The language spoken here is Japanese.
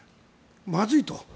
まずいと。